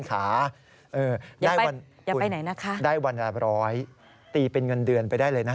อย่าไปไหนนะครับคุณได้วันหรอร้อยตีเป็นเงินเดือนไปได้เลยนะ